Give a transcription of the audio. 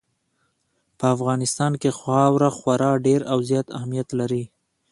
په افغانستان کې خاوره خورا ډېر او زیات اهمیت لري.